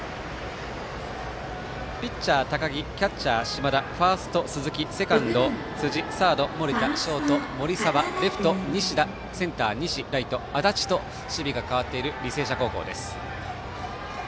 ピッチャー、高木キャッチャー、嶋田ファースト、鈴木セカンド辻、サード森田ショート、森澤レフト、西田センター、西ライト、足立と守備が変わっている履正社高校です。